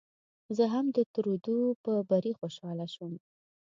زه هم د ترودو په بري خوشاله شوم.